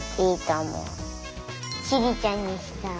ちりちゃんにした。